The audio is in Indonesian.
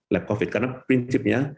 lab covid karena prinsipnya